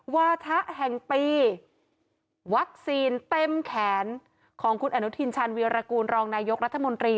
วาทะแห่งปีวัคซีนเต็มแขนของคุณอนุทินชาญวีรกูลรองนายกรัฐมนตรี